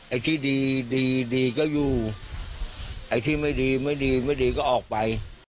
ไอ้ที่ดีก็อยู่ไอ้ที่ไม่ดีก็ออกไป